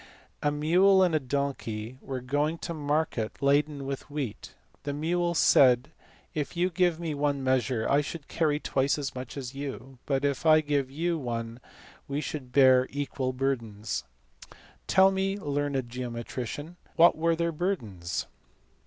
"A mule and a donkey were going to market laden with wheat. The mule said If you gave me one measure I should carry twice as much as you, but if I gave you one we should bear equal burdens. Tell me, learned geometrician, what were their burdens."